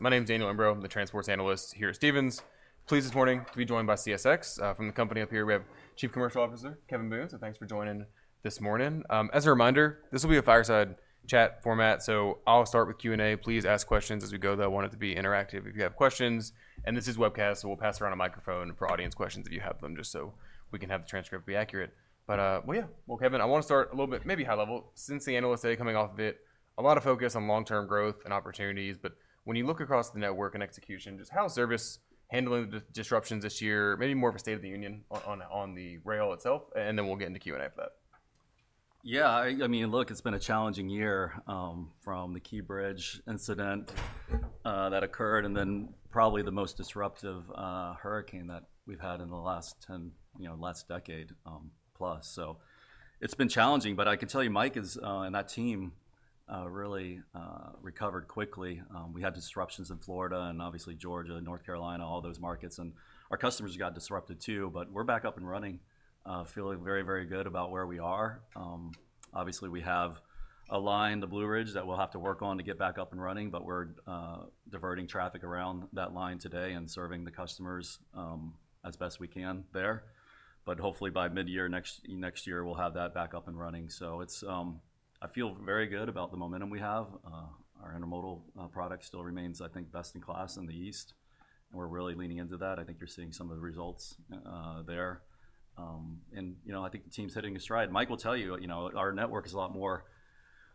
My name's Daniel Imbro. I'm the transportation analyst here at Stephens. Pleased this morning to be joined by CSX from the company up here. We have Chief Commercial Officer Kevin Boone, so thanks for joining this morning. As a reminder, this will be a fireside chat format, so I'll start with Q&A. Please ask questions as we go, though. I want it to be interactive if you have questions, and this is webcast, so we'll pass around a microphone for audience questions if you have them, just so we can have the transcript be accurate. But well, yeah, well, Kevin, I want to start a little bit, maybe high level. Since the Analyst Day coming off of it, a lot of focus on long-term growth and opportunities. But when you look across the network and execution, just how is service handling the disruptions this year? Maybe more of a State of the Union on the rail itself, and then we'll get into Q&A for that. Yeah. I mean, look, it's been a challenging year from the Key Bridge incident that occurred, and then probably the most disruptive hurricane that we've had in the last 10, you know, last decade plus. So it's been challenging, but I can tell you, Mike and that team really recovered quickly. We had disruptions in Florida and obviously Georgia, North Carolina, all those markets, and our customers got disrupted too, but we're back up and running, feeling very, very good about where we are. Obviously, we have a line, the Blue Ridge, that we'll have to work on to get back up and running, but we're diverting traffic around that line today and serving the customers as best we can there, but hopefully by mid-year next year, we'll have that back up and running, so I feel very good about the momentum we have. Our intermodal product still remains, I think, best in class in the East. And we're really leaning into that. I think you're seeing some of the results there. And, you know, I think the team's hitting a stride. Mike will tell you, you know, our network is a lot more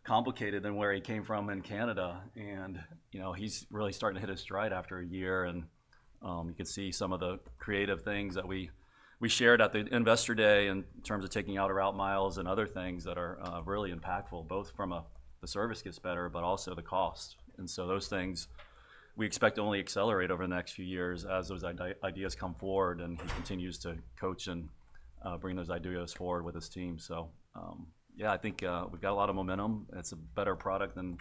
complicated than where he came from in Canada. And, you know, he's really starting to hit a stride after a year. And you can see some of the creative things that we shared at the investor day in terms of taking out route miles and other things that are really impactful, both from the service gets better, but also the cost. And so those things we expect to only accelerate over the next few years as those ideas come forward. And he continues to coach and bring those ideas forward with his team. So, yeah, I think we've got a lot of momentum. It's a better product and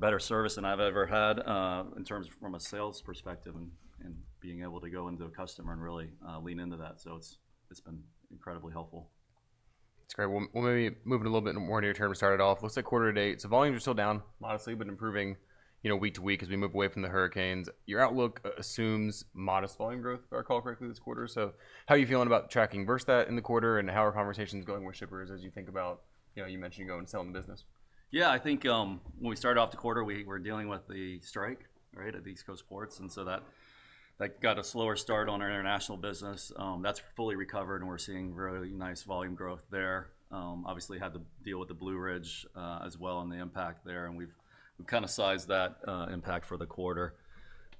better service than I've ever had in terms from a sales perspective and being able to go into a customer and really lean into that. So it's been incredibly helpful. That's great. Well, maybe moving a little bit more near term, we started off, looks like quarter to date. So volumes are still down, modestly, but improving, you know, week to week as we move away from the hurricanes. Your outlook assumes modest volume growth, if I recall correctly, this quarter. So how are you feeling about tracking versus that in the quarter and how are conversations going with shippers as you think about, you know, you mentioned going and selling the business? Yeah, I think when we started off the quarter, we were dealing with the strike, right, at the East Coast ports. And so that got a slower start on our international business. That's fully recovered. And we're seeing really nice volume growth there. Obviously, had to deal with the Blue Ridge as well and the impact there. And we've kind of sized that impact for the quarter.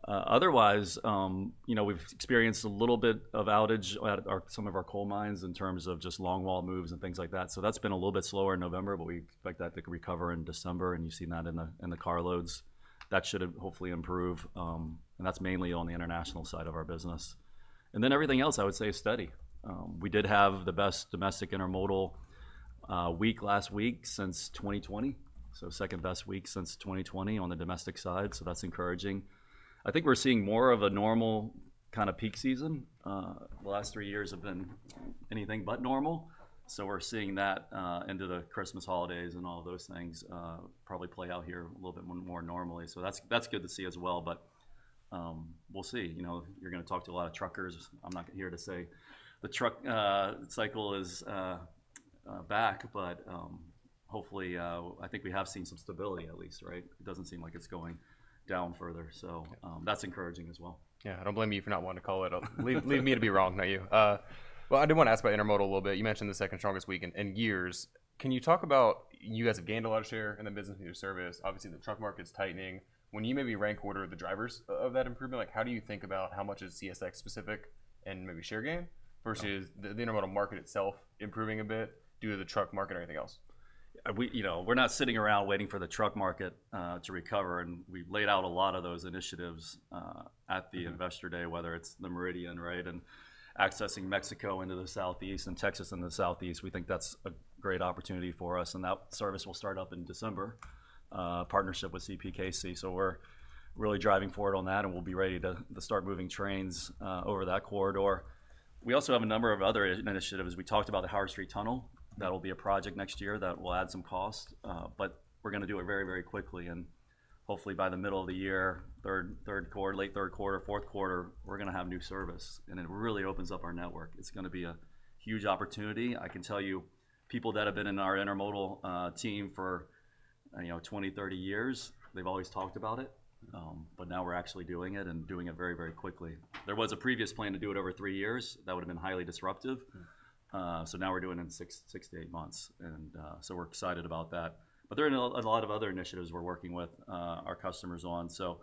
Otherwise, you know, we've experienced a little bit of outage at some of our coal mines in terms of just longwall moves and things like that. So that's been a little bit slower in November, but we expect that to recover in December. And you've seen that in the carloads. That should hopefully improve. And that's mainly on the international side of our business. And then everything else, I would say, is steady. We did have the best domestic intermodal week last week since 2020, so second best week since 2020 on the domestic side. So that's encouraging. I think we're seeing more of a normal kind of peak season. The last three years have been anything but normal. So we're seeing that into the Christmas holidays and all of those things probably play out here a little bit more normally. So that's good to see as well. But we'll see. You know, you're going to talk to a lot of truckers. I'm not here to say the truck cycle is back, but hopefully I think we have seen some stability at least, right? It doesn't seem like it's going down further. So that's encouraging as well. Yeah. Don't blame me if you're not wanting to call it. Leave me to be wrong, not you. Well, I did want to ask about intermodal a little bit. You mentioned the second strongest week in years. Can you talk about you guys have gained a lot of share in the business and your service? Obviously, the truck market's tightening. When you maybe rank order the drivers of that improvement, like how do you think about how much is CSX specific and maybe share gain versus the intermodal market itself improving a bit due to the truck market or anything else? You know, we're not sitting around waiting for the truck market to recover, and we laid out a lot of those initiatives at the investor day, whether it's the Meridian, right, and accessing Mexico into the Southeast and Texas in the Southeast. We think that's a great opportunity for us, and that service will start up in December, partnership with CPKC, so we're really driving forward on that, and we'll be ready to start moving trains over that corridor. We also have a number of other initiatives. We talked about the Howard Street Tunnel. That'll be a project next year that will add some cost, but we're going to do it very, very quickly, and hopefully by the middle of the year, third quarter, late third quarter, fourth quarter, we're going to have new service, and it really opens up our network. It's going to be a huge opportunity. I can tell you, people that have been in our intermodal team for, you know, 20, 30 years, they've always talked about it. But now we're actually doing it and doing it very, very quickly. There was a previous plan to do it over three years. That would have been highly disruptive. So now we're doing it in six to eight months. And so we're excited about that. But there are a lot of other initiatives we're working with our customers on. So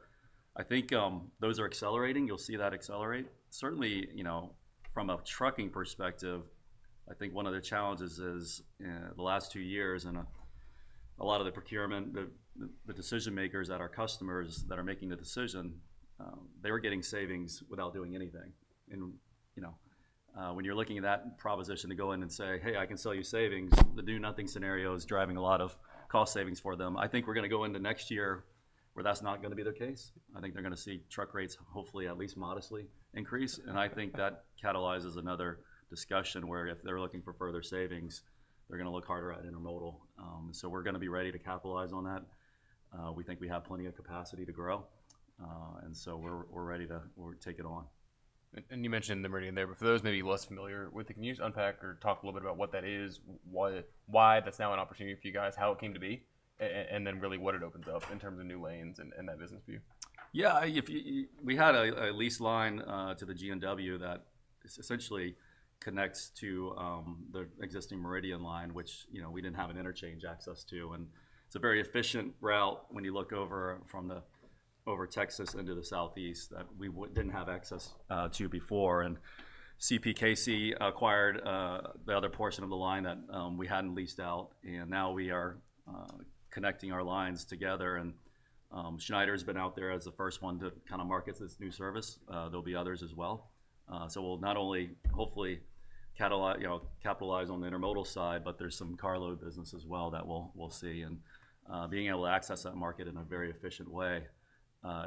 I think those are accelerating. You'll see that accelerate. Certainly, you know, from a trucking perspective, I think one of the challenges is the last two years and a lot of the procurement, the decision makers at our customers that are making the decision, they were getting savings without doing anything. And, you know, when you're looking at that proposition to go in and say, "Hey, I can sell you savings," the do nothing scenario is driving a lot of cost savings for them. I think we're going to go into next year where that's not going to be the case. I think they're going to see truck rates hopefully at least modestly increase. And I think that catalyzes another discussion where if they're looking for further savings, they're going to look harder at intermodal. So we're going to be ready to capitalize on that. We think we have plenty of capacity to grow. And so we're ready to take it on. And you mentioned the Meridian there. But for those maybe less familiar with it, can you just unpack or talk a little bit about what that is, why that's now an opportunity for you guys, how it came to be, and then really what it opens up in terms of new lanes and that business for you? Yeah. We had a leased line to the G&W that essentially connects to the existing Meridian line, which, you know, we didn't have an interchange access to. And it's a very efficient route when you look over from Texas into the Southeast that we didn't have access to before. And CPKC acquired the other portion of the line that we hadn't leased out. And now we are connecting our lines together. And Schneider has been out there as the first one to kind of market this new service. There'll be others as well. So we'll not only hopefully capitalize on the intermodal side, but there's some carload business as well that we'll see. And being able to access that market in a very efficient way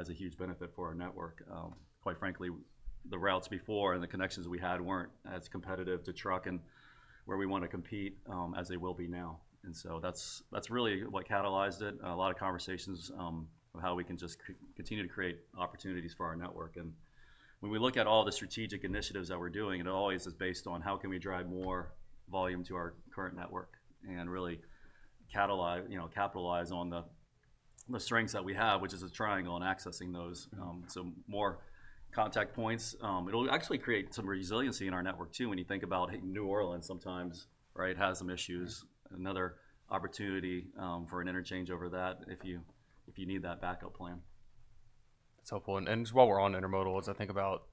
is a huge benefit for our network. Quite frankly, the routes before and the connections we had weren't as competitive to truck and where we want to compete as they will be now. And so that's really what catalyzed it. A lot of conversations of how we can just continue to create opportunities for our network. And when we look at all the strategic initiatives that we're doing, it always is based on how can we drive more volume to our current network and really capitalize on the strengths that we have, which is a triangle in accessing those. So more contact points. It'll actually create some resiliency in our network too. When you think about New Orleans sometimes, right, has some issues. Another opportunity for an interchange over that if you need that backup plan. That's helpful, and while we're on intermodal, I think about,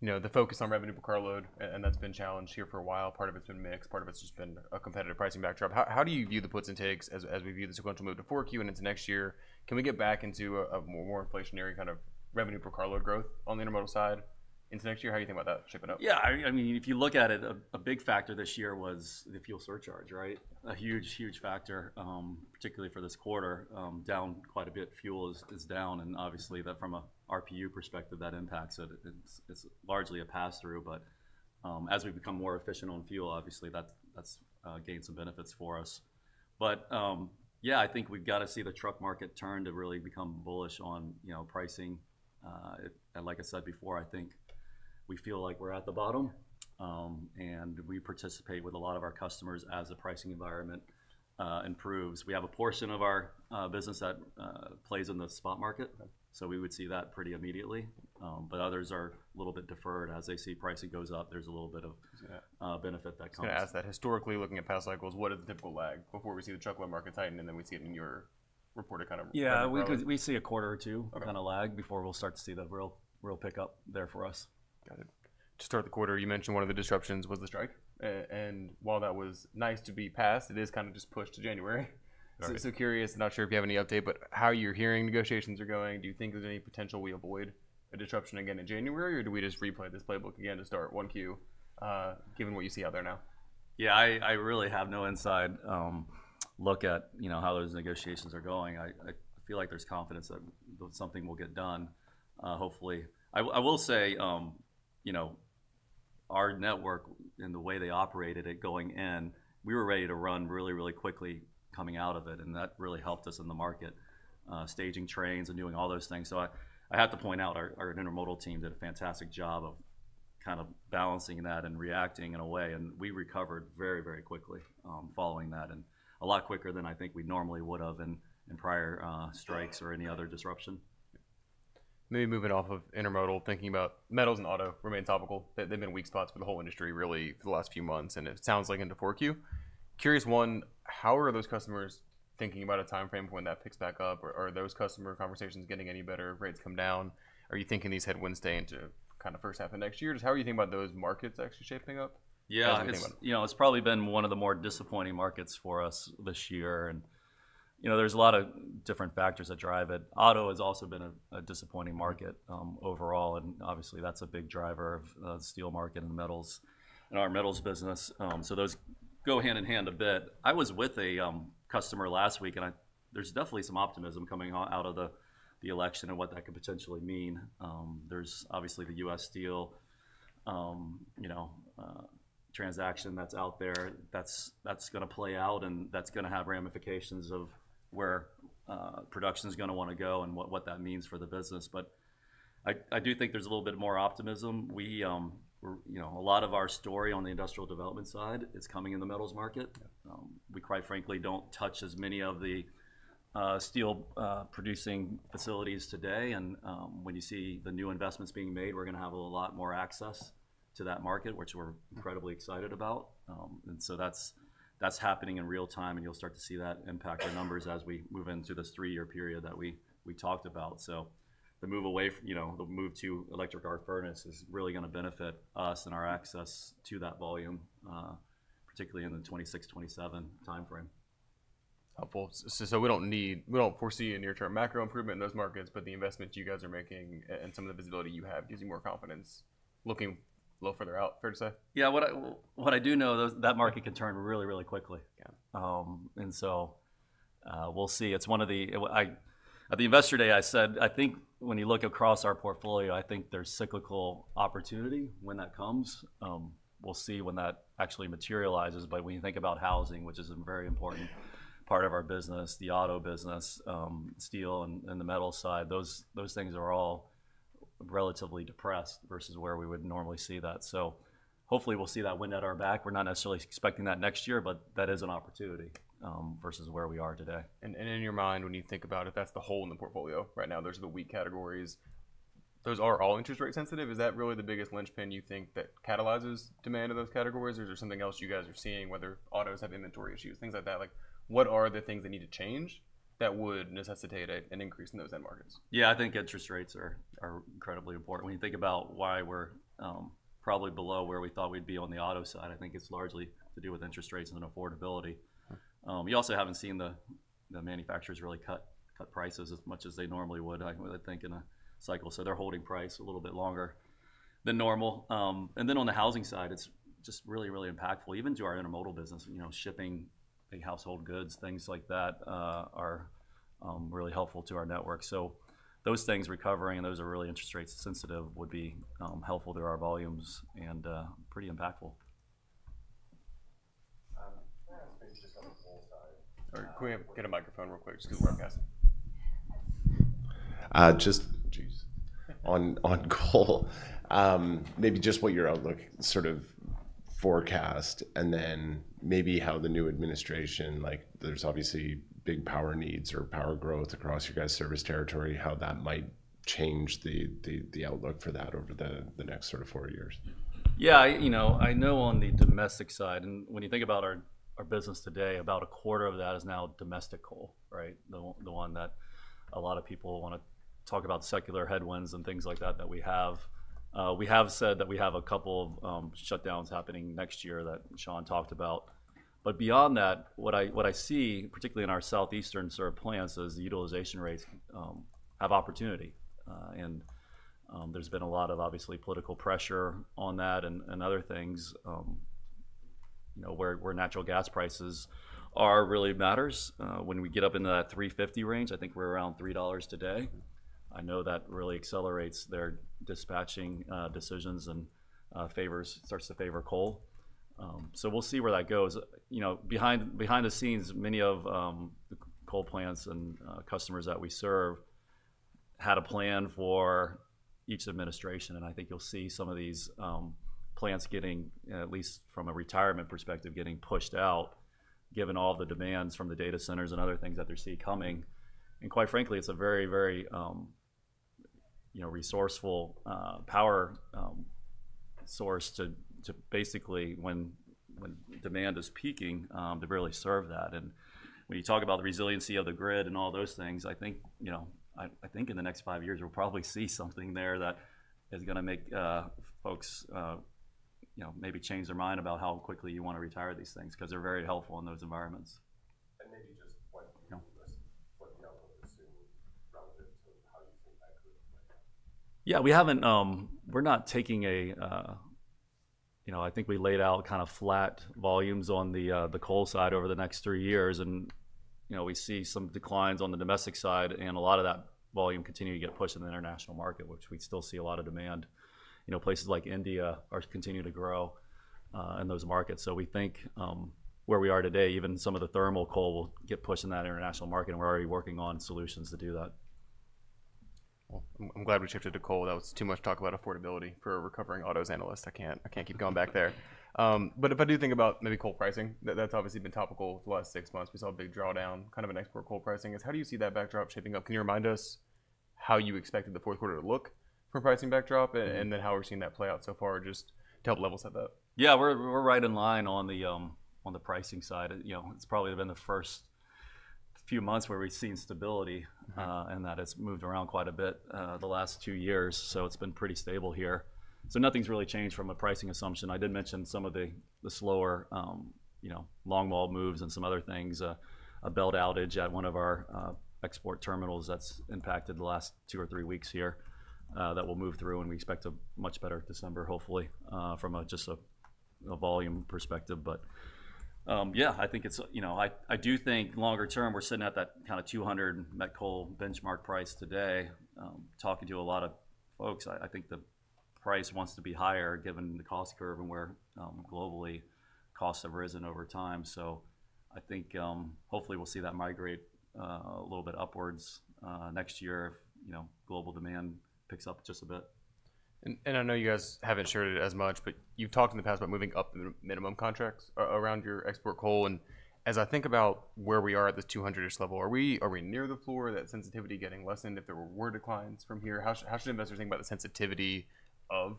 you know, the focus on revenue per carload, and that's been challenged here for a while. Part of it's been mixed. Part of it's just been a competitive pricing backdrop. How do you view the puts and takes as we view the sequential move to 4Q and into next year? Can we get back into a more inflationary kind of revenue per carload growth on the intermodal side into next year? How do you think about that shaping up? Yeah. I mean, if you look at it, a big factor this year was the fuel surcharge, right? A huge, huge factor, particularly for this quarter, down quite a bit. Fuel is down. And obviously, from an RPU perspective, that impacts it. It's largely a pass-through. But as we become more efficient on fuel, obviously, that's gained some benefits for us. But, yeah, I think we've got to see the truck market turn to really become bullish on pricing. Like I said before, I think we feel like we're at the bottom. And we participate with a lot of our customers as the pricing environment improves. We have a portion of our business that plays in the spot market. So we would see that pretty immediately. But others are a little bit deferred. As they see pricing goes up, there's a little bit of benefit that comes. To ask that, historically looking at past cycles, what is the typical lag before we see the truckload market tighten and then we see it in your reported kind of? Yeah. We see a quarter or two kind of lag before we'll start to see the real pickup there for us. Got it. To start the quarter, you mentioned one of the disruptions was the strike. And while that was nice to be passed, it is kind of just pushed to January. So curious, not sure if you have any update, but how you're hearing negotiations are going? Do you think there's any potential we avoid a disruption again in January? Or do we just replay this playbook again to start 1Q, given what you see out there now? Yeah. I really have no inside look at, you know, how those negotiations are going. I feel like there's confidence that something will get done, hopefully. I will say, you know, our network and the way they operated it going in, we were ready to run really, really quickly coming out of it. And that really helped us in the market, staging trains and doing all those things. So I have to point out our intermodal team did a fantastic job of kind of balancing that and reacting in a way. And we recovered very, very quickly following that and a lot quicker than I think we normally would have in prior strikes or any other disruption. Maybe moving off of intermodal, thinking about metals and auto remain topical. They've been weak spots for the whole industry really for the last few months. And it sounds like into 4Q. Curious one, how are those customers thinking about a time frame when that picks back up? Are those customer conversations getting any better? Rates come down? Are you thinking these headwinds stay into kind of first half of next year? Just how are you thinking about those markets actually shaping up? Yeah. You know, it's probably been one of the more disappointing markets for us this year. And, you know, there's a lot of different factors that drive it. Auto has also been a disappointing market overall. And obviously, that's a big driver of the steel market and metals and our metals business. So those go hand in hand a bit. I was with a customer last week. And there's definitely some optimism coming out of the election and what that could potentially mean. There's obviously the U.S. Steel, you know, transaction that's out there. That's going to play out. And that's going to have ramifications of where production is going to want to go and what that means for the business. But I do think there's a little bit more optimism. We, you know, a lot of our story on the industrial development side is coming in the metals market. We, quite frankly, don't touch as many of the steel producing facilities today. And when you see the new investments being made, we're going to have a lot more access to that market, which we're incredibly excited about. And so that's happening in real time. And you'll start to see that impact our numbers as we move into this three-year period that we talked about. So the move away, you know, the move to electric arc furnace is really going to benefit us and our access to that volume, particularly in the 2026-2027 time frame. Helpful. So we don't need, we don't foresee a near-term macro improvement in those markets. But the investment you guys are making and some of the visibility you have gives you more confidence looking a little further out, fair to say? Yeah. What I do know, that market can turn really, really quickly. And so we'll see. It's one of the, at the investor day, I said, I think when you look across our portfolio, I think there's cyclical opportunity when that comes. We'll see when that actually materializes. But when you think about housing, which is a very important part of our business, the auto business, steel and the metal side, those things are all relatively depressed versus where we would normally see that. So hopefully we'll see that wind at our back. We're not necessarily expecting that next year, but that is an opportunity versus where we are today. In your mind, when you think about it, that's the hole in the portfolio right now. There's the weak categories. Those are all interest rate sensitive. Is that really the biggest linchpin you think that catalyzes demand of those categories? Or is there something else you guys are seeing, whether autos have inventory issues, things like that? Like what are the things that need to change that would necessitate an increase in those end markets? Yeah. I think interest rates are incredibly important. When you think about why we're probably below where we thought we'd be on the auto side, I think it's largely to do with interest rates and affordability. You also haven't seen the manufacturers really cut prices as much as they normally would, I think, in a cycle. So they're holding price a little bit longer than normal. And then on the housing side, it's just really, really impactful, even to our intermodal business, you know, shipping, big household goods, things like that are really helpful to our network. So those things recovering and those are really interest rate sensitive would be helpful to our volumes and pretty impactful. Can I ask maybe just on the coal side? Or can we get a microphone real quick? Just because we're broadcasting. Just on call. Maybe just what your outlook sort of forecast and then maybe how the new administration, like there's obviously big power needs or power growth across your guys' service territory, how that might change the outlook for that over the next sort of four years? Yeah. You know, I know on the domestic side, and when you think about our business today, about a quarter of that is now domestic coal, right? The one that a lot of people want to talk about secular headwinds and things like that that we have. We have said that we have a couple of shutdowns happening next year that Sean talked about. But beyond that, what I see, particularly in our southeastern sort of plants, is the utilization rates have opportunity. And there's been a lot of obviously political pressure on that and other things, you know, where natural gas prices are really matters. When we get up into that $3.50 range, I think we're around $3 today. I know that really accelerates their dispatching decisions and starts to favor coal. So we'll see where that goes. You know, behind the scenes, many of the coal plants and customers that we serve had a plan for each administration. And I think you'll see some of these plants getting, at least from a retirement perspective, getting pushed out, given all the demands from the data centers and other things that they're seeing coming. And quite frankly, it's a very, very, you know, resourceful power source to basically, when demand is peaking, to really serve that. And when you talk about the resiliency of the grid and all those things, I think, you know, I think in the next five years, we'll probably see something there that is going to make folks, you know, maybe change their mind about how quickly you want to retire these things because they're very helpful in those environments. Maybe just what the outlook is soon relative to how you think that could play out? Yeah. We haven't, we're not taking a, you know, I think we laid out kind of flat volumes on the coal side over the next three years. And, you know, we see some declines on the domestic side. And a lot of that volume continues to get pushed in the international market, which we still see a lot of demand. You know, places like India are continuing to grow in those markets. So we think where we are today, even some of the thermal coal will get pushed in that international market. And we're already working on solutions to do that. I'm glad we shifted to coal. That was too much talk about affordability for a recovering autos analyst. I can't keep going back there. But if I do think about maybe coal pricing, that's obviously been topical the last six months. We saw a big drawdown, kind of an export coal pricing. How do you see that backdrop shaping up? Can you remind us how you expected the fourth quarter to look for pricing backdrop and then how we're seeing that play out so far just to help level set that? Yeah. We're right in line on the pricing side. You know, it's probably been the first few months where we've seen stability, and that has moved around quite a bit the last two years. So it's been pretty stable here, so nothing's really changed from a pricing assumption. I did mention some of the slower, you know, long-haul moves and some other things, a belt outage at one of our export terminals that's impacted the last two or three weeks here that will move through, and we expect a much better December, hopefully, from just a volume perspective. But, yeah, I think it's, you know, I do think longer term, we're sitting at that kind of 200 met coal benchmark price today. Talking to a lot of folks, I think the price wants to be higher given the cost curve and where globally costs have risen over time. So I think hopefully we'll see that migrate a little bit upwards next year if, you know, global demand picks up just a bit. I know you guys haven't shared it as much, but you've talked in the past about moving up the minimum contracts around your export coal. As I think about where we are at this 200-ish level, are we near the floor? That sensitivity getting lessened if there were declines from here? How should investors think about the sensitivity of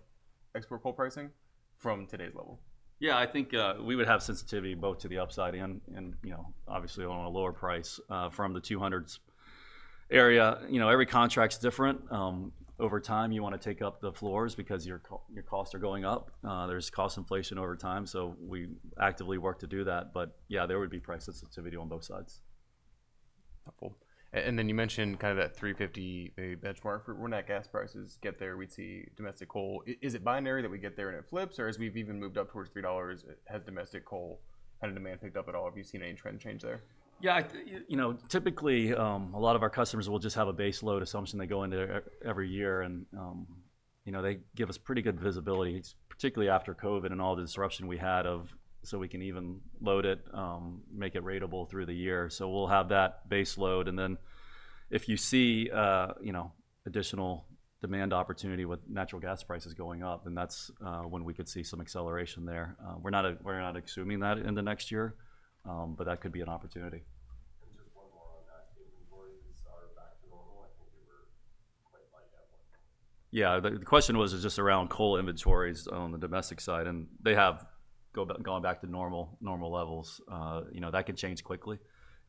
export coal pricing from today's level? Yeah. I think we would have sensitivity both to the upside and, you know, obviously on a lower price from the 200s area. You know, every contract's different. Over time, you want to take up the floors because your costs are going up. There's cost inflation over time. So we actively work to do that. But, yeah, there would be price sensitivity on both sides. Helpful. And then you mentioned kind of that $3.50 benchmark. When that gas prices get there, we'd see domestic coal. Is it binary that we get there and it flips? Or as we've even moved up towards $3, has domestic coal kind of demand picked up at all? Have you seen any trend change there? Yeah. You know, typically a lot of our customers will just have a base load assumption they go into every year. And, you know, they give us pretty good visibility, particularly after COVID and all the disruption we had of. So we can even load it, make it ratable through the year. So we'll have that base load. And then if you see, you know, additional demand opportunity with natural gas prices going up, then that's when we could see some acceleration there. We're not assuming that in the next year, but that could be an opportunity. And just one more on that. Inventories are back to normal? I think they were quite light at one point. Yeah. The question was just around coal inventories on the domestic side, and they have gone back to normal levels. You know, that can change quickly.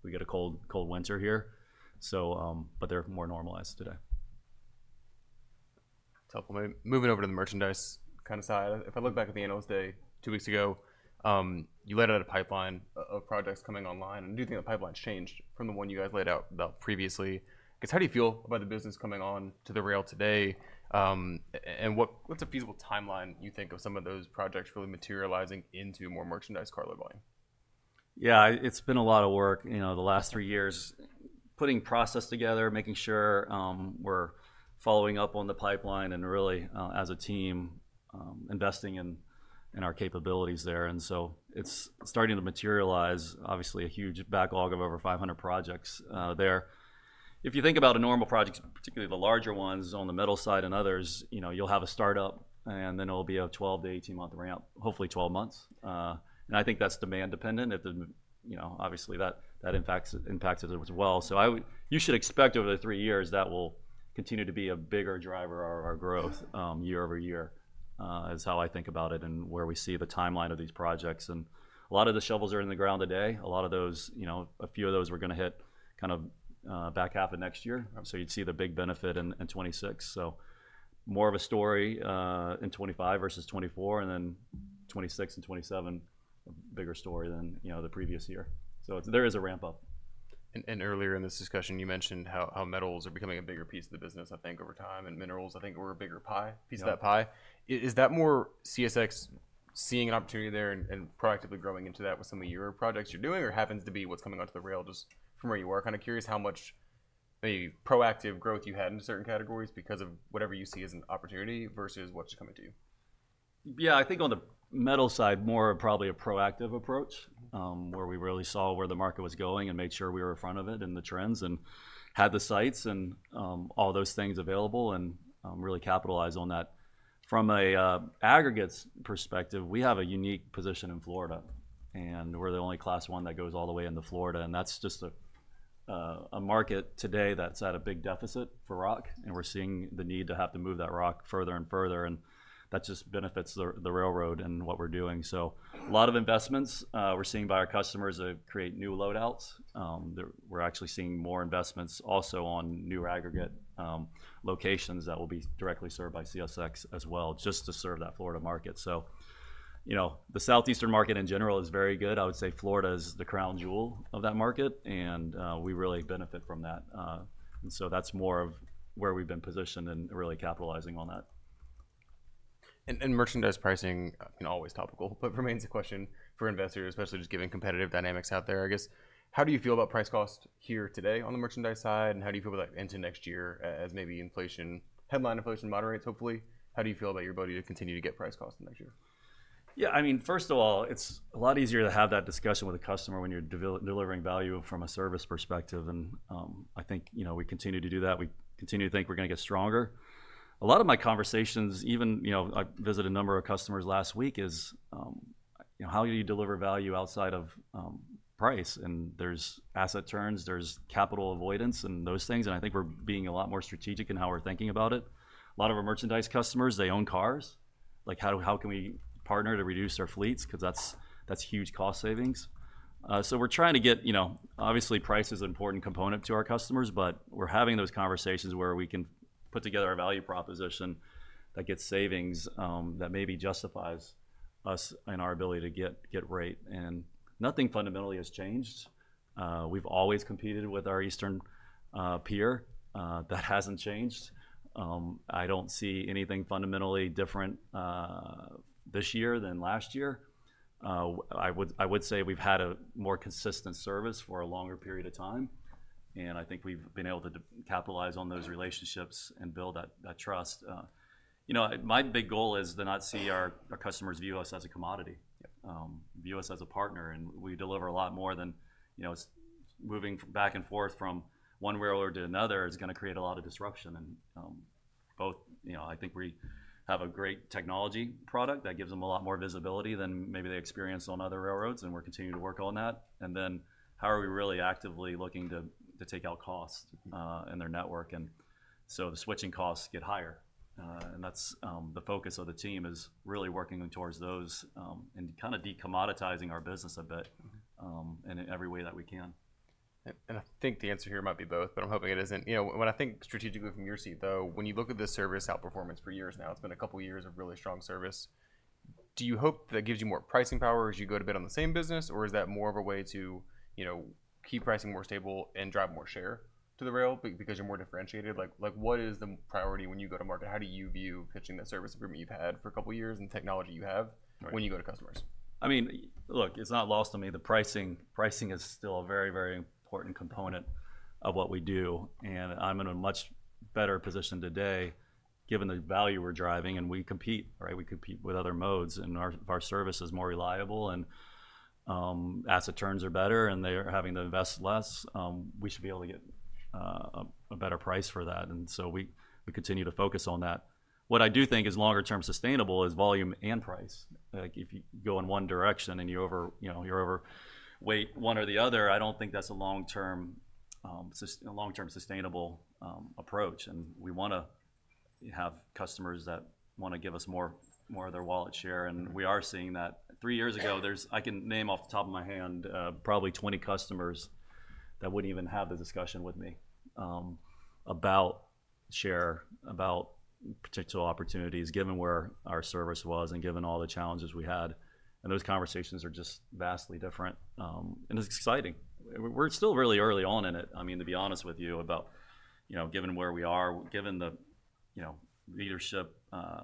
We get a cold winter here, so but they're more normalized today. Helpful. Moving over to the merchandise kind of side. If I look back at the Analyst Day two weeks ago, you laid out a pipeline of projects coming online. And I do think the pipeline's changed from the one you guys laid out previously. I guess how do you feel about the business coming on to the rail today? And what's a feasible timeline you think of some of those projects really materializing into more merchandise carload volume? Yeah. It's been a lot of work, you know, the last three years, putting process together, making sure we're following up on the pipeline and really, as a team, investing in our capabilities there. And so it's starting to materialize, obviously, a huge backlog of over 500 projects there. If you think about a normal project, particularly the larger ones on the metal side and others, you know, you'll have a startup. And then it'll be a 12-18-month ramp, hopefully 12 months. And I think that's demand dependent. You know, obviously that impacts it as well. So you should expect over the three years that will continue to be a bigger driver of our growth year over year is how I think about it and where we see the timeline of these projects. And a lot of the shovels are in the ground today. A lot of those, you know, a few of those we're going to hit kind of back half of next year. So you'd see the big benefit in 2026. So more of a story in 2025 versus 2024. And then 2026 and 2027, a bigger story than, you know, the previous year. So there is a ramp up. Earlier in this discussion, you mentioned how metals are becoming a bigger piece of the business, I think, over time, and minerals, I think, were a bigger pie, piece of that pie. Is that more CSX seeing an opportunity there and proactively growing into that with some of your projects you're doing? Or happens to be what's coming onto the rail just from where you are? Kind of curious how much maybe proactive growth you had in certain categories because of whatever you see as an opportunity versus what's coming to you. Yeah. I think on the metal side, more probably a proactive approach where we really saw where the market was going and made sure we were in front of it and the trends and had the sites and all those things available and really capitalized on that. From an aggregate perspective, we have a unique position in Florida, and we're the only Class I that goes all the way into Florida, and that's just a market today that's at a big deficit for rock, and we're seeing the need to have to move that rock further and further, and that just benefits the railroad and what we're doing, so a lot of investments we're seeing by our customers create new loadouts. We're actually seeing more investments also on new aggregate locations that will be directly served by CSX as well just to serve that Florida market. So, you know, the Southeastern market in general is very good. I would say Florida is the crown jewel of that market. And we really benefit from that. And so that's more of where we've been positioned and really capitalizing on that. Merchandise pricing can always be topical, but remains a question for investors, especially just given competitive dynamics out there. I guess how do you feel about price cost here today on the merchandise side? How do you feel about that into next year as maybe inflation, headline inflation moderates, hopefully? How do you feel about your ability to continue to get price costs next year? Yeah. I mean, first of all, it's a lot easier to have that discussion with a customer when you're delivering value from a service perspective. And I think, you know, we continue to do that. We continue to think we're going to get stronger. A lot of my conversations, even, you know, I visited a number of customers last week is, you know, how do you deliver value outside of price? And there's asset turns, there's capital avoidance and those things. And I think we're being a lot more strategic in how we're thinking about it. A lot of our merchandise customers, they own cars. Like how can we partner to reduce our fleets? Because that's huge cost savings. So we're trying to get, you know, obviously price is an important component to our customers, but we're having those conversations where we can put together a value proposition that gets savings that maybe justifies us and our ability to get rate. And nothing fundamentally has changed. We've always competed with our eastern peer. That hasn't changed. I don't see anything fundamentally different this year than last year. I would say we've had a more consistent service for a longer period of time. And I think we've been able to capitalize on those relationships and build that trust. You know, my big goal is to not see our customers view us as a commodity, view us as a partner. And we deliver a lot more than, you know, moving back and forth from one railroad to another is going to create a lot of disruption. And both, you know, I think we have a great technology product that gives them a lot more visibility than maybe they experience on other railroads. And we're continuing to work on that. And then how are we really actively looking to take out costs in their network? And so the switching costs get higher. And that's the focus of the team is really working towards those and kind of decommoditizing our business a bit in every way that we can. I think the answer here might be both, but I'm hoping it isn't. You know, when I think strategically from your seat, though, when you look at this service outperformance for years now, it's been a couple of years of really strong service. Do you hope that gives you more pricing power as you go to bid on the same business? Or is that more of a way to, you know, keep pricing more stable and drive more share to the rail because you're more differentiated? Like what is the priority when you go to market? How do you view pitching that service you've had for a couple of years and technology you have when you go to customers? I mean, look, it's not lost on me. The pricing is still a very, very important component of what we do. And I'm in a much better position today given the value we're driving. And we compete, right? We compete with other modes. And our service is more reliable. And asset turns are better. And they're having to invest less. We should be able to get a better price for that. And so we continue to focus on that. What I do think is longer term sustainable is volume and price. Like if you go in one direction and you overweight one or the other, I don't think that's a long-term sustainable approach. And we want to have customers that want to give us more of their wallet share. And we are seeing that. Three years ago, there's, I can name off the top of my head, probably 20 customers that wouldn't even have the discussion with me about share, about potential opportunities given where our service was and given all the challenges we had. And those conversations are just vastly different. And it's exciting. We're still really early on in it. I mean, to be honest with you about, you know, given where we are, given the, you know, leadership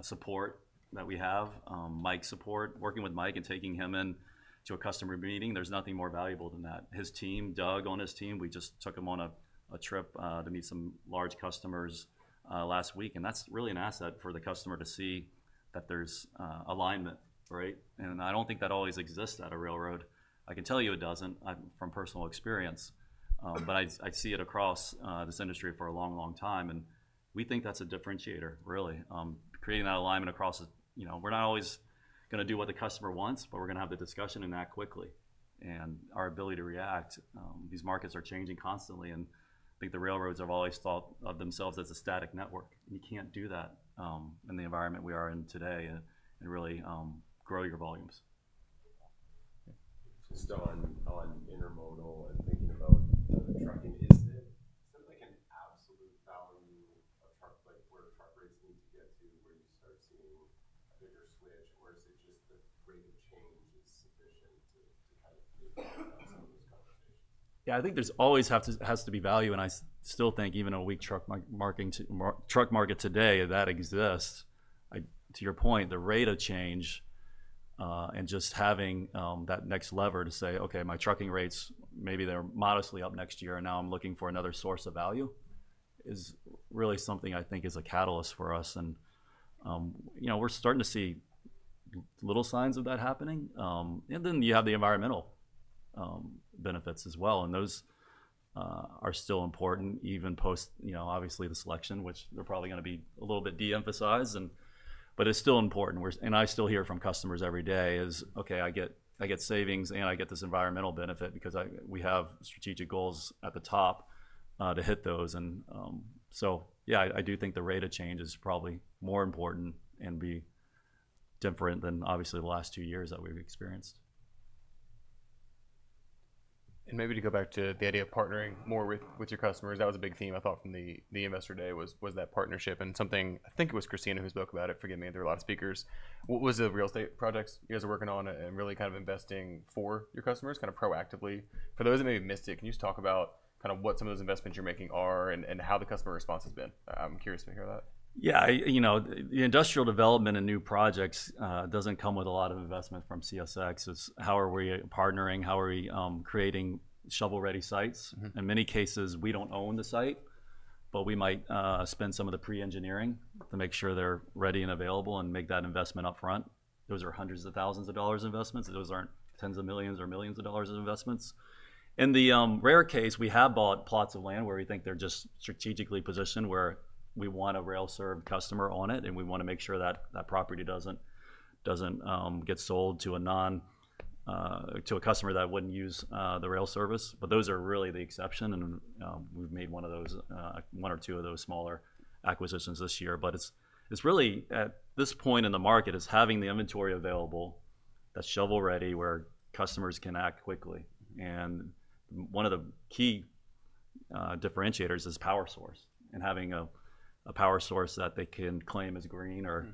support that we have, Mike's support, working with Mike and taking him into a customer meeting, there's nothing more valuable than that. His team, Doug on his team, we just took him on a trip to meet some large customers last week. And that's really an asset for the customer to see that there's alignment, right? And I don't think that always exists at a railroad. I can tell you it doesn't, from personal experience, but I see it across this industry for a long, long time, and we think that's a differentiator, really, creating that alignment across. You know, we're not always going to do what the customer wants, but we're going to have the discussion and act quickly, and our ability to react. These markets are changing constantly, and I think the railroads have always thought of themselves as a static network. You can't do that in the environment we are in today and really grow your volumes. Just on intermodal and thinking about trucking, is there like an absolute value of truck, like where truck rates need to get to where you start seeing a bigger switch? Or is it just the rate of change is sufficient to kind of move some of those conversations? Yeah. I think there's always has to be value, and I still think even a weak truck market today, that exists. To your point, the rate of change and just having that next lever to say, okay, my trucking rates, maybe they're modestly up next year, and now I'm looking for another source of value is really something I think is a catalyst for us. And, you know, we're starting to see little signs of that happening, and then you have the environmental benefits as well. And those are still important even post, you know, obviously the selection, which they're probably going to be a little bit de-emphasized, but it's still important. And I still hear from customers every day is, okay, I get savings and I get this environmental benefit because we have strategic goals at the top to hit those. And so, yeah, I do think the rate of change is probably more important and be different than obviously the last two years that we've experienced. And maybe to go back to the idea of partnering more with your customers, that was a big theme I thought from the investor day was that partnership. And something, I think it was Christina who spoke about it, forgive me, there are a lot of speakers. What was the real estate projects you guys are working on and really kind of investing for your customers kind of proactively? For those that maybe missed it, can you just talk about kind of what some of those investments you're making are and how the customer response has been? I'm curious to hear that. Yeah. You know, the industrial development and new projects doesn't come with a lot of investment from CSX. It's how are we partnering? How are we creating shovel ready sites? In many cases, we don't own the site, but we might spend some of the pre-engineering to make sure they're ready and available and make that investment upfront. Those are hundreds of thousands of dollars investments. Those aren't tens of millions or millions of dollars of investments. In the rare case, we have bought plots of land where we think they're just strategically positioned where we want a rail-served customer on it. And we want to make sure that that property doesn't get sold to a non-to a customer that wouldn't use the rail service. But those are really the exception. And we've made one of those, one or two of those smaller acquisitions this year. But it's really at this point in the market is having the inventory available that's shovel ready where customers can act quickly. And one of the key differentiators is power source. And having a power source that they can claim is green or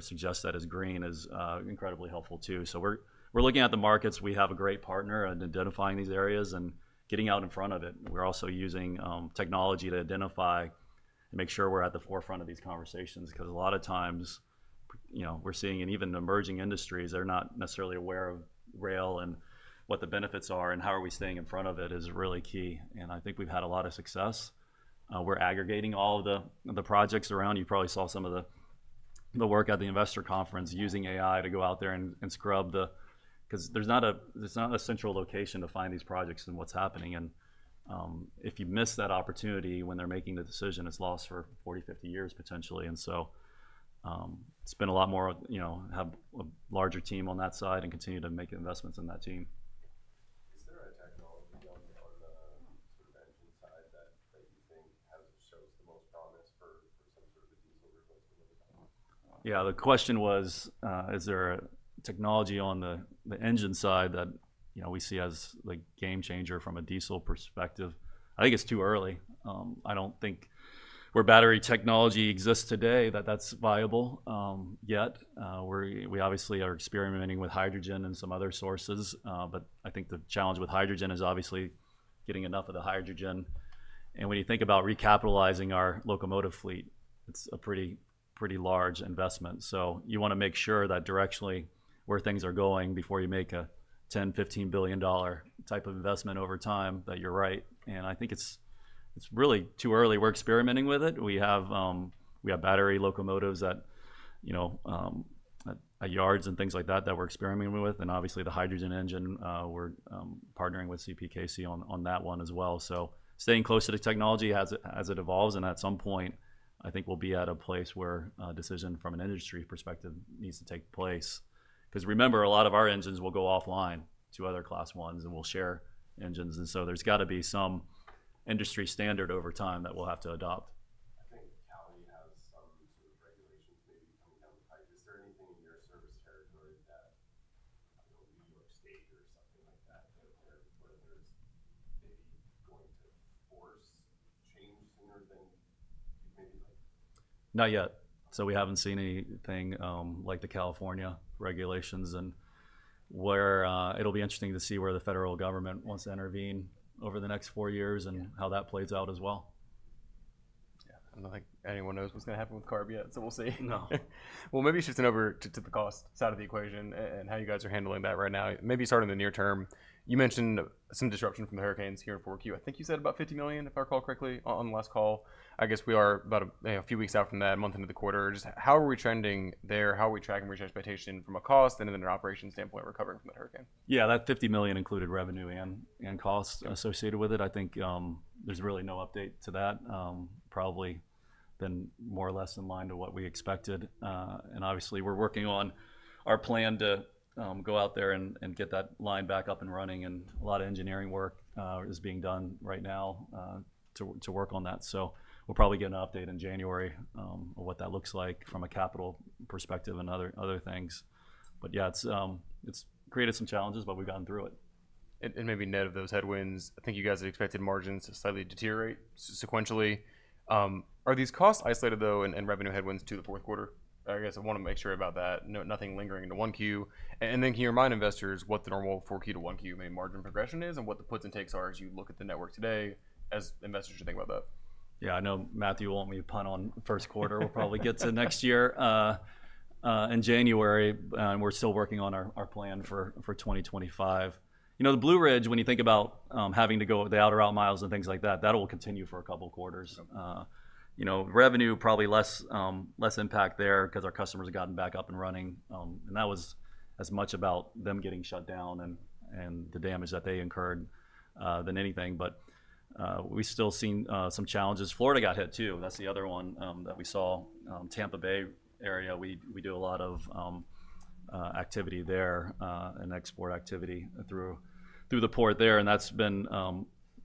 suggest that is green is incredibly helpful too. So we're looking at the markets. We have a great partner in identifying these areas and getting out in front of it. We're also using technology to identify and make sure we're at the forefront of these conversations. Because a lot of times, you know, we're seeing in even emerging industries, they're not necessarily aware of rail and what the benefits are and how are we staying in front of it is really key. And I think we've had a lot of success. We're aggregating all of the projects around. You probably saw some of the work at the investor conference using AI to go out there and scrub the, because there's not a central location to find these projects and what's happening, and if you miss that opportunity when they're making the decision, it's lost for 40, 50 years potentially, and so spend a lot more, you know, have a larger team on that side and continue to make investments in that team. Is there a technology on the sort of engine side that you think has or shows the most promise for some sort of a diesel replacement of the power? Yeah. The question was, is there a technology on the engine side that, you know, we see as the game changer from a diesel perspective? I think it's too early. I don't think where battery technology exists today that that's viable yet. We obviously are experimenting with hydrogen and some other sources. But I think the challenge with hydrogen is obviously getting enough of the hydrogen. And when you think about recapitalizing our locomotive fleet, it's a pretty large investment. So you want to make sure that directionally where things are going before you make a $10 billion-$15 billion type of investment over time that you're right. And I think it's really too early. We're experimenting with it. We have battery locomotives at, you know, at yards and things like that that we're experimenting with. And obviously the hydrogen engine, we're partnering with CPKC on that one as well. So staying close to the technology as it evolves. And at some point, I think we'll be at a place where a decision from an industry perspective needs to take place. Because remember, a lot of our engines will go offline to other Class I's and we'll share engines. And so there's got to be some industry standard over time that we'll have to adopt. I think Cali has some sort of regulations maybe coming down the pike. Is there anything in your service territory that, I don't know, New York State or something like that where there's maybe going to force change sooner than you've maybe like. Not yet. So we haven't seen anything like the California regulations. And it'll be interesting to see where the federal government wants to intervene over the next four years and how that plays out as well. Yeah. I don't think anyone knows what's going to happen with CARB yet. So we'll see. No. Maybe shifting over to the cost side of the equation and how you guys are handling that right now, maybe starting in the near term. You mentioned some disruption from the hurricanes here in 4Q. I think you said about $50 million, if I recall correctly, on the last call. I guess we are about a few weeks out from that, a month into the quarter. Just how are we trending there? How are we tracking to reach expectation from a cost and then an operation standpoint recovering from that hurricane? Yeah. That $50 million included revenue and cost associated with it. I think there's really no update to that. Probably been more or less in line to what we expected. And obviously we're working on our plan to go out there and get that line back up and running. And a lot of engineering work is being done right now to work on that. So we'll probably get an update in January of what that looks like from a capital perspective and other things. But yeah, it's created some challenges, but we've gotten through it. And maybe net of those headwinds, I think you guys had expected margins to slightly deteriorate sequentially. Are these cost isolated though and revenue headwinds to the fourth quarter? I guess I want to make sure about that. Nothing lingering into 1Q. And then can you remind investors what the normal 4Q-1Q maybe margin progression is and what the puts and takes are as you look at the network today as investors should think about that? Yeah. I know Matthew will want me to punt on first quarter. We'll probably get to next year in January. And we're still working on our plan for 2025. You know, the Blue Ridge, when you think about having to go the out-of-route miles and things like that, that will continue for a couple of quarters. You know, revenue probably less impact there because our customers have gotten back up and running. And that was as much about them getting shut down and the damage that they incurred than anything. But we still seen some challenges. Florida got hit too. That's the other one that we saw. Tampa Bay area, we do a lot of activity there and export activity through the port there. And that's been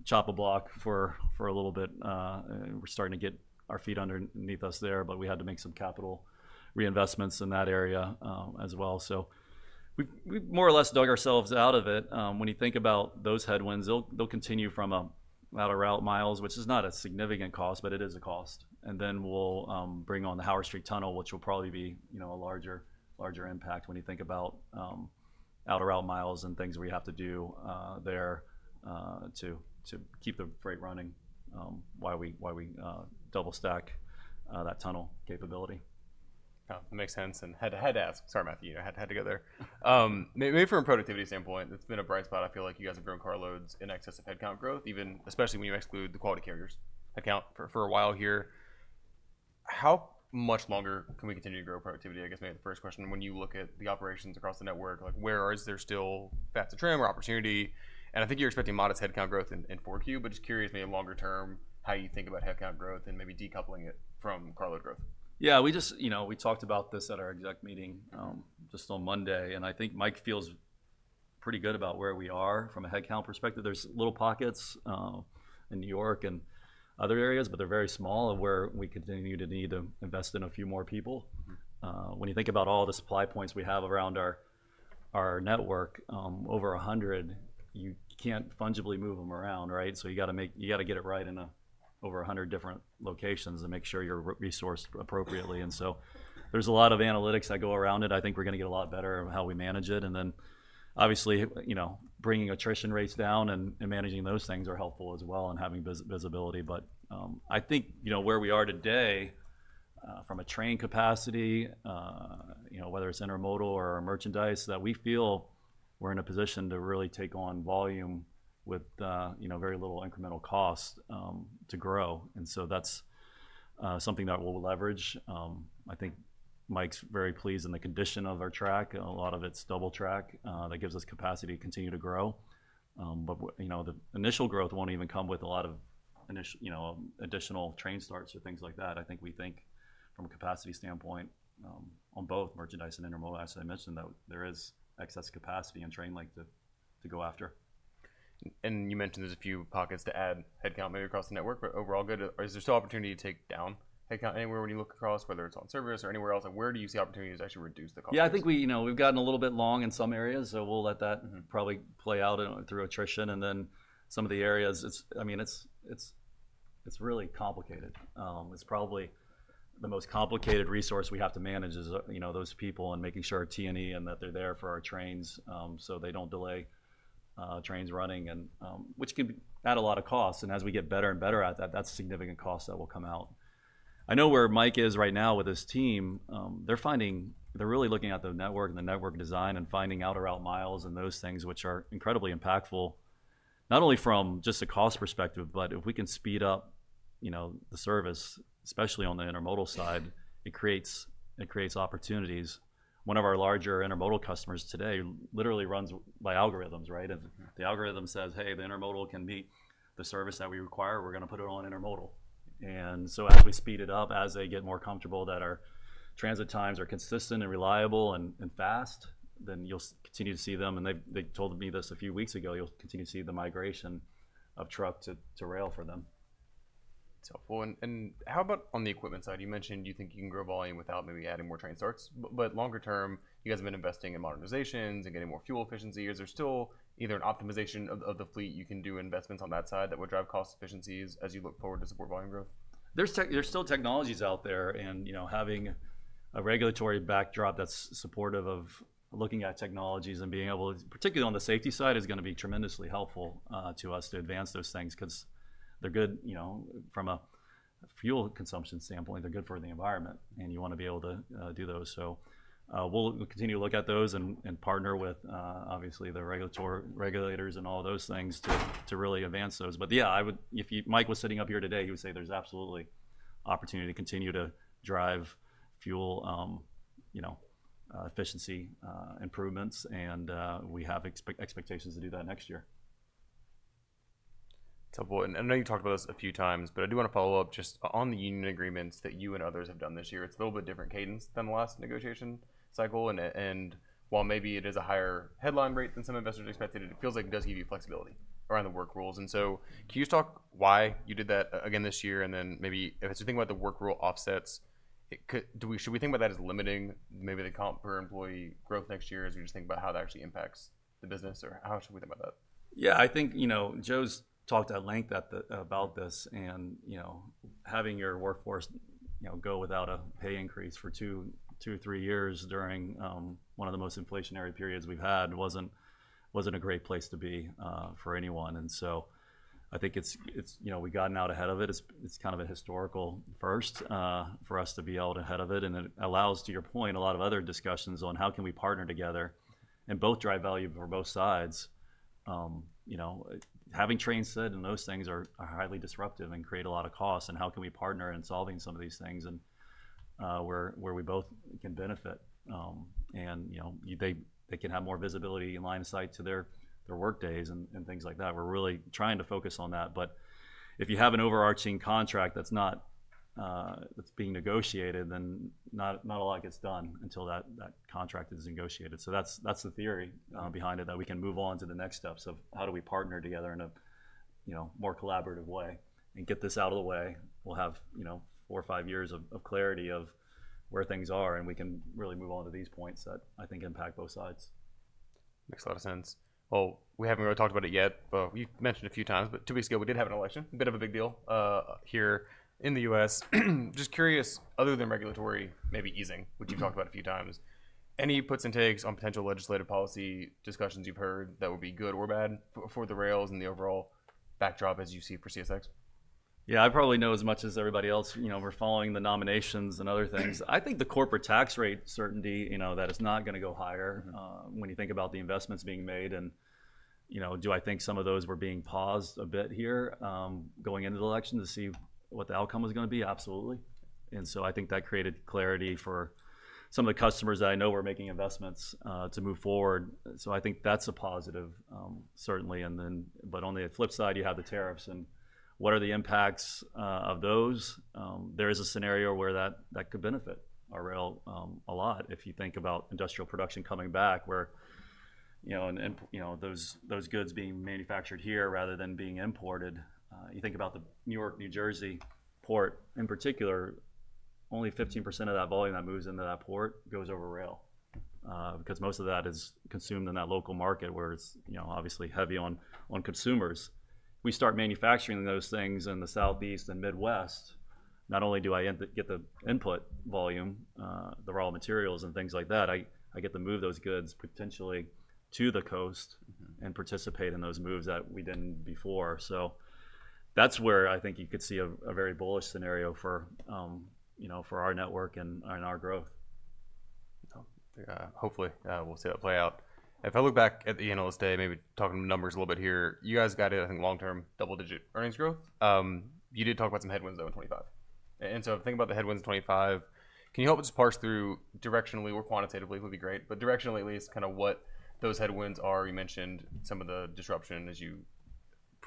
chock-a-block for a little bit. We're starting to get our feet underneath us there. But we had to make some capital reinvestments in that area as well. So we more or less dug ourselves out of it. When you think about those headwinds, they'll continue from out-of-route miles, which is not a significant cost, but it is a cost. And then we'll bring on the Howard Street Tunnel, which will probably be a larger impact when you think about out-of-route miles and things we have to do there to keep the freight running while we double-stack that tunnel capability. That makes sense. I had to ask, sorry, Matthew. You had to go there. Maybe from a productivity standpoint, it's been a bright spot. I feel like you guys have grown carloads in excess of headcount growth, even especially when you exclude the Quality Carriers account for a while here. How much longer can we continue to grow productivity? I guess maybe the first question: when you look at the operations across the network, like where is there still fat to trim or opportunity? And I think you're expecting modest headcount growth in fourth quarter, but just curious, maybe longer term how you think about headcount growth and maybe decoupling it from carload growth. Yeah. We just, you know, we talked about this at our exec meeting just on Monday. And I think Mike feels pretty good about where we are from a headcount perspective. There's little pockets in New York and other areas, but they're very small of where we continue to need to invest in a few more people. When you think about all the supply points we have around our network, over a hundred, you can't fungibly move them around, right? So you got to get it right in over a hundred different locations and make sure you're resourced appropriately. And so there's a lot of analytics that go around it. I think we're going to get a lot better of how we manage it. And then obviously, you know, bringing attrition rates down and managing those things are helpful as well and having visibility. But I think, you know, where we are today from a train capacity, you know, whether it's intermodal or merchandise, that we feel we're in a position to really take on volume with, you know, very little incremental cost to grow. And so that's something that we'll leverage. I think Mike's very pleased in the condition of our track. A lot of it's double track that gives us capacity to continue to grow. But, you know, the initial growth won't even come with a lot of, you know, additional train starts or things like that. I think we think from a capacity standpoint on both merchandise and intermodal, as I mentioned, that there is excess capacity and train length to go after. And you mentioned there's a few pockets to add headcount maybe across the network, but overall good. Is there still opportunity to take down headcount anywhere when you look across, whether it's on service or anywhere else? Where do you see opportunities to actually reduce the cost? Yeah. I think we, you know, we've gotten a little bit long in some areas. So we'll let that probably play out through attrition. And then some of the areas, I mean, it's really complicated. It's probably the most complicated resource we have to manage is, you know, those people and making sure T&E and that they're there for our trains so they don't delay trains running, which can add a lot of costs. And as we get better and better at that, that's a significant cost that will come out. I know where Mike is right now with his team. They're finding, they're really looking at the network and the network design and finding out-of-route miles and those things, which are incredibly impactful, not only from just a cost perspective, but if we can speed up, you know, the service, especially on the intermodal side, it creates opportunities. One of our larger intermodal customers today literally runs by algorithms, right? And the algorithm says, hey, the intermodal can meet the service that we require. We're going to put it on intermodal. And so as we speed it up, as they get more comfortable that our transit times are consistent and reliable and fast, then you'll continue to see them. And they told me this a few weeks ago, you'll continue to see the migration of truck to rail for them. Well, and how about on the equipment side? You mentioned you think you can grow volume without maybe adding more train starts. But longer term, you guys have been investing in modernizations and getting more fuel efficiency. Is there still either an optimization of the fleet you can do investments on that side that would drive cost efficiencies as you look forward to support volume growth? There's still technologies out there. And, you know, having a regulatory backdrop that's supportive of looking at technologies and being able to, particularly on the safety side, is going to be tremendously helpful to us to advance those things. Because they're good, you know, from a fuel consumption standpoint, they're good for the environment. And you want to be able to do those. So we'll continue to look at those and partner with, obviously, the regulators and all of those things to really advance those. But yeah, if Mike was sitting up here today, he would say there's absolutely opportunity to continue to drive fuel, you know, efficiency improvements. And we have expectations to do that next year. Tough boy. And I know you talked about this a few times, but I do want to follow up just on the union agreements that you and others have done this year. It's a little bit different cadence than the last negotiation cycle. And while maybe it is a higher headline rate than some investors expected, it feels like it does give you flexibility around the work rules. And so can you just talk why you did that again this year? And then maybe if you think about the work rule offsets, should we think about that as limiting maybe the comp per employee growth next year as we just think about how that actually impacts the business? Or how should we think about that? Yeah. I think, you know, Joe's talked at length about this. And, you know, having your workforce, you know, go without a pay increase for two, three years during one of the most inflationary periods we've had wasn't a great place to be for anyone. And so I think it's, you know, we gotten out ahead of it. It's kind of a historical first for us to be out ahead of it. And it allows, to your point, a lot of other discussions on how can we partner together and both drive value for both sides. You know, having trains set and those things are highly disruptive and create a lot of costs. And how can we partner in solving some of these things where we both can benefit? And, you know, they can have more visibility and line of sight to their workdays and things like that. We're really trying to focus on that, but if you have an overarching contract that's not being negotiated, then not a lot gets done until that contract is negotiated, so that's the theory behind it that we can move on to the next steps of how do we partner together in a, you know, more collaborative way and get this out of the way. We'll have, you know, four or five years of clarity of where things are, and we can really move on to these points that I think impact both sides. Makes a lot of sense. Well, we haven't really talked about it yet, but you've mentioned a few times, but two weeks ago we did have an election. Bit of a big deal here in the U.S. Just curious, other than regulatory maybe easing, which you've talked about a few times, any puts and takes on potential legislative policy discussions you've heard that would be good or bad for the rails and the overall backdrop as you see for CSX? Yeah. I probably know as much as everybody else. You know, we're following the nominations and other things. I think the corporate tax rate certainty, you know, that is not going to go higher when you think about the investments being made. And, you know, do I think some of those were being paused a bit here going into the election to see what the outcome was going to be? Absolutely. And so I think that created clarity for some of the customers that I know were making investments to move forward. So I think that's a positive, certainly. And then, but on the flip side, you have the tariffs and what are the impacts of those? There is a scenario where that could benefit our rail a lot if you think about industrial production coming back where, you know, those goods being manufactured here rather than being imported. You think about the New York, New Jersey port in particular. Only 15% of that volume that moves into that port goes over rail. Because most of that is consumed in that local market where it's, you know, obviously heavy on consumers. We start manufacturing those things in the Southeast and Midwest. Not only do I get the input volume, the raw materials and things like that, I get to move those goods potentially to the coast and participate in those moves that we didn't before. So that's where I think you could see a very bullish scenario for, you know, for our network and our growth. Hopefully we'll see that play out. If I look back at the Analyst Day, maybe talking numbers a little bit here, you guys got it, I think long-term double-digit earnings growth. You did talk about some headwinds though in 2025. And so think about the headwinds in 2025. Can you help us just parse through directionally or quantitatively? It would be great. But directionally at least kind of what those headwinds are. You mentioned some of the disruption as you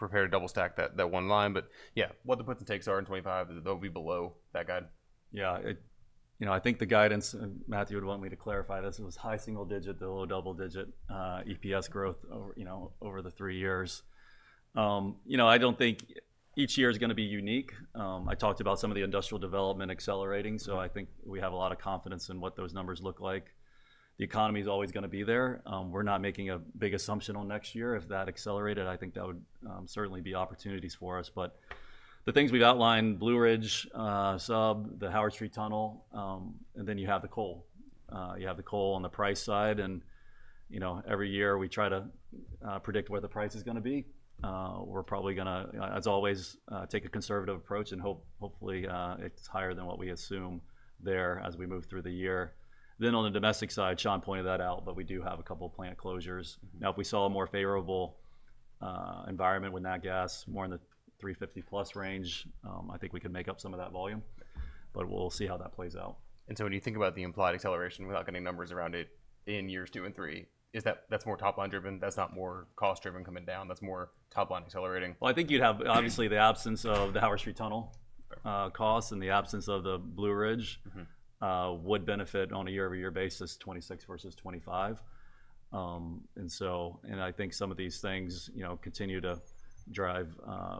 prepare to double-stack that one line. But yeah, what the puts and takes are in 2025, they'll be below that guide. Yeah. You know, I think the guidance, Matthew would want me to clarify this. It was high single-digit, the low double digit EPS growth, you know, over the three years. You know, I don't think each year is going to be unique. I talked about some of the industrial development accelerating. So I think we have a lot of confidence in what those numbers look like. The economy is always going to be there. We're not making a big assumption on next year. If that accelerated, I think that would certainly be opportunities for us. But the things we've outlined, Blue Ridge Sub, the Howard Street Tunnel, and then you have the coal. You have the coal on the price side. And, you know, every year we try to predict where the price is going to be. We're probably going to, as always, take a conservative approach and hopefully it's higher than what we assume there as we move through the year. Then on the domestic side, Sean pointed that out, but we do have a couple of plant closures. Now, if we saw a more favorable environment with natural gas, more in the $3.50 plus range, I think we could make up some of that volume. But we'll see how that plays out. And so when you think about the implied acceleration without getting numbers around it in years two and three, is that more top line driven? That's not more cost driven coming down? That's more top line accelerating? I think you'd have obviously the absence of the Howard Street Tunnel costs and the absence of the Blue Ridge would benefit on a year-over-year basis, 2026 versus 2025. I think some of these things, you know, continue to drive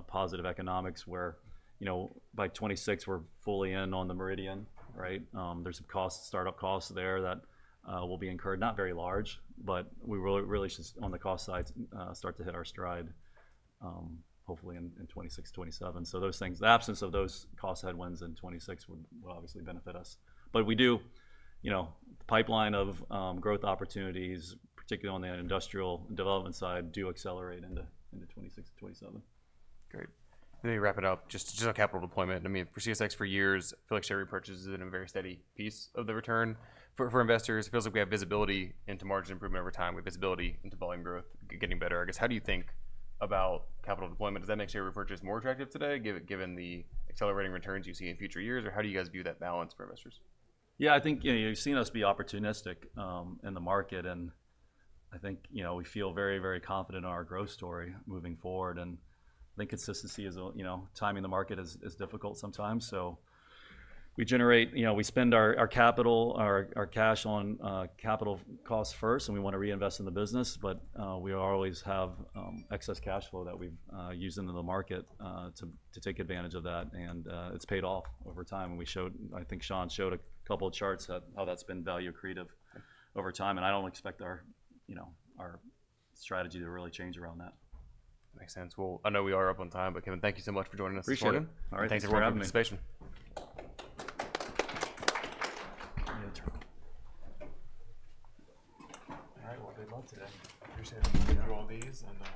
positive economics where, you know, by 2026 we're fully in on the Meridian, right? There's some costs, startup costs there that will be incurred, not very large, but we really should on the cost side start to hit our stride hopefully in 2026, 2027. Those things, the absence of those cost headwinds in 2026 would obviously benefit us. We do, you know, the pipeline of growth opportunities, particularly on the industrial development side, do accelerate into 2026 and 2027. Great, and then we wrap it up just on capital deployment. I mean, for CSX for years, I feel like share repurchase has been a very steady piece of the return for investors. It feels like we have visibility into margin improvement over time. We have visibility into volume growth getting better. I guess, how do you think about capital deployment? Does that make share repurchase more attractive today given the accelerating returns you see in future years? Or how do you guys view that balance for investors? Yeah, I think you've seen us be opportunistic in the market. And I think, you know, we feel very, very confident in our growth story moving forward. And I think consistency is, you know, timing the market is difficult sometimes. So we generate, you know, we spend our capital, our cash on capital costs first, and we want to reinvest in the business. But we always have excess cash flow that we've used into the market to take advantage of that. And it's paid off over time. And we showed, I think Sean showed a couple of charts that show how that's been value accretive over time. And I don't expect our, you know, our strategy to really change around that. Makes sense. Well, I know we are up on time, but Kevin, thank you so much for joining us. Appreciate it. All right. Thanks for having me. Thanks for having me.